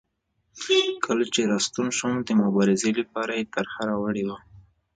کله چې راستون شو د مبارزې لپاره یې طرحه راوړې وه.